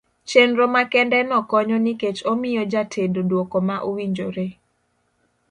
chenro makende no konyo nikech omiyo ja tedo duoko ma owinjore.